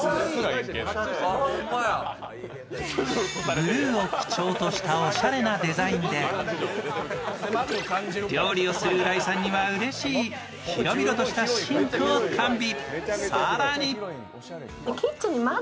ブルーを基調としたおしゃれなデザインで料理をする浦井さんにはうれしい広々としたシンクを完備。